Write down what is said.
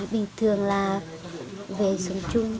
bình thường là về sống chung